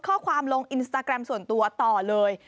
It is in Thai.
ข้อความลงอินสตาแกรมส่วนตัวต่อเลย